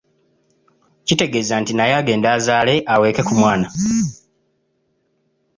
Kitegeeza nti naye agende azaale aweeke ku mwana.